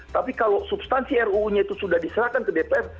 tapi kalau substansi ruu nya itu sudah diserahkan ke dpr